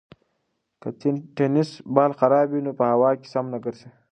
که د تېنس بال خراب وي نو په هوا کې سم نه ګرځي.